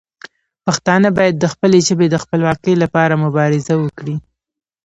پښتانه باید د خپلې ژبې د خپلواکۍ لپاره مبارزه وکړي.